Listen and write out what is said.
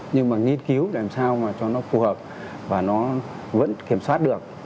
nhưng mà nghiên cứu làm sao mà cho nó phù hợp và nó vẫn kiểm soát được